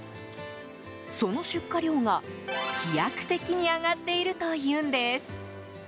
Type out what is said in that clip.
その出荷量が、飛躍的に上がっているというんです。